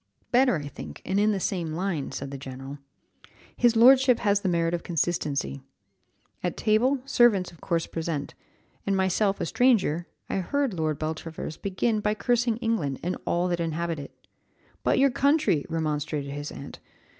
"Better I think, and in the same line," said the general: "his lordship has the merit of consistency. At table, servants of course present, and myself a stranger, I heard Lord Beltravers begin by cursing England and all that inhabit it. 'But your country!' remonstrated his aunt.